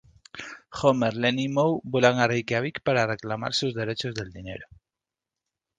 Homer, Lenny y Moe vuelan a Reikiavik para reclamar sus derechos del dinero.